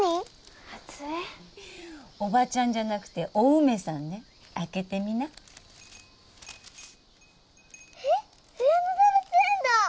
初江おばちゃんじゃなくてお梅さんね開けてみなえッ上野動物園だ！